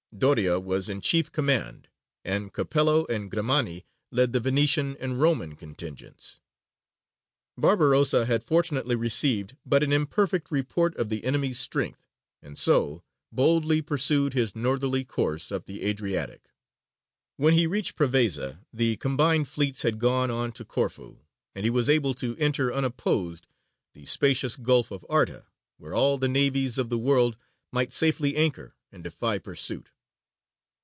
Doria was in chief command, and Capello and Grimani led the Venetian and Roman contingents. Barbarossa had fortunately received but an imperfect report of the enemy's strength and so boldly pursued his northerly course up the Adriatic. When he reached Prevesa, the combined fleets had gone on to Corfu, and he was able to enter unopposed the spacious gulf of Arta, where all the navies of the world might safely anchor and defy pursuit.